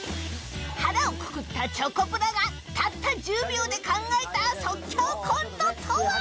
腹をくくったチョコプラがたった１０秒で考えた即興コントとは？